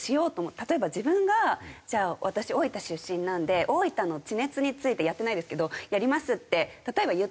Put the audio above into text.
例えば自分がじゃあ私大分出身なんで大分の地熱についてやってないですけどやりますって例えば言ったら。